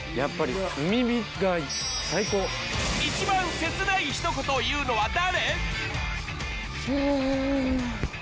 一番切ないひと言を言うのは誰？